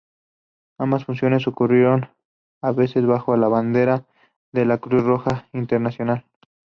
Ambas funciones ocurrieron a veces bajo la bandera de la Cruz Roja Internacional.